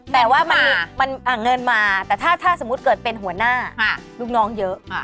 แต่ว่ามันเงินมาแต่ถ้าสมมุติเกิดเป็นหัวหน้าลูกน้องเยอะ